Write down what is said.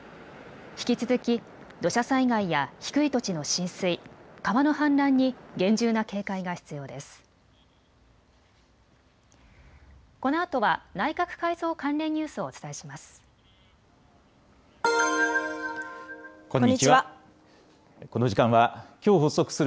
引き続き土砂災害や低い土地の浸水、川の氾濫に厳重な警戒が必要です。